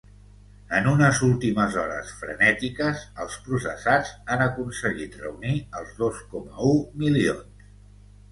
En unes últimes hores frenètiques els processats han aconseguit reunir els dos coma u milions.